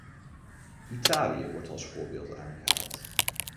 Italië wordt als voorbeeld aangehaald.